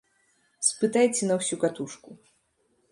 Спытайце на ўсю катушку.